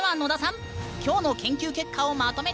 今日の研究結果をまとめて！